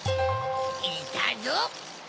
いたぞ！